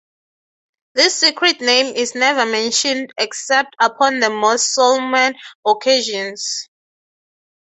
This secret name is never mentioned except upon the most solemn occasions.